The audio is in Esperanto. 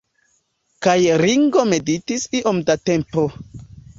Kaj Ringo meditis iom da tempo.